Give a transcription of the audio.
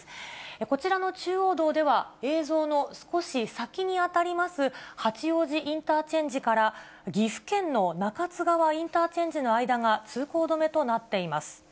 こちらの中央道では、映像の少し先に当たります、八王子インターチェンジから岐阜県の中津川インターチェンジの間が通行止めとなっています。